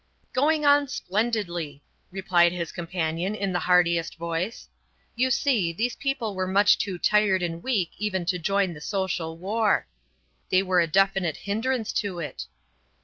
"Going on splendidly," replied his companion in the heartiest voice. "You see, these people were much too tired and weak even to join the social war. They were a definite hindrance to it."